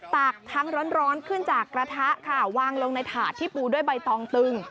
ตักทั้งร้อนขึ้นจากกระทะค่ะวางลงในถาดที่ปูด้วยใบตองตึง